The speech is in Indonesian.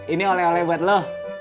ini oleh oleh buat loh